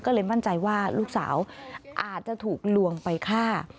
ก็เลยมั่นใจว่าลูกสาวอาจจะถูกลวงไปฆ่า